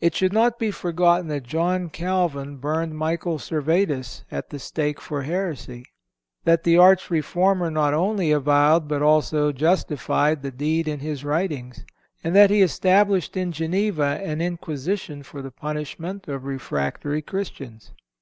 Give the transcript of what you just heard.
It should not be forgotten that John Calvin burned Michael Servetus at the stake for heresy; that the arch reformer not only avowed but also justified the deed in his writings; and that he established in Geneva an Inquisition for the punishment of refractory Christians.